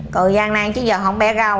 còn gian nang chứ giờ không bẻ rau